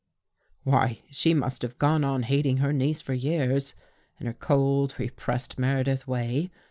" Why, she must have gone on hating her niece for years, in her cold, repressed Meredith way.